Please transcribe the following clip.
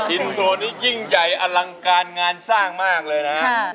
อินโทรนี้ยิ่งใหญ่อลังการงานสร้างมากเลยนะฮะ